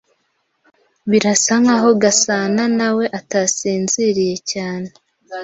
Birasa nkaho Gasananawe atasinziriye cyane.